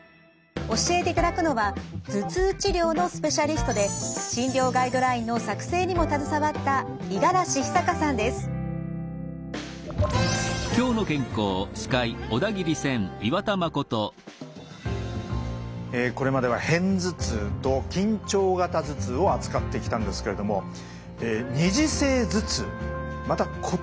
教えていただくのは頭痛治療のスペシャリストで診療ガイドラインの作成にも携わったこれまでは片頭痛と緊張型頭痛を扱ってきたんですけれども二次性頭痛また異なるタイプの頭痛なんですね。